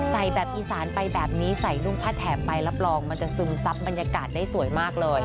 ใส่แบบอีสานไปแบบนี้ใส่นุ่งผ้าแถมไปรับรองมันจะซึมซับบรรยากาศได้สวยมากเลย